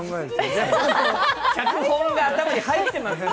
脚本が頭に入ってますね。